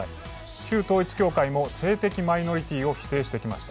旧統一教会も性的マイノリティーを否定してきました。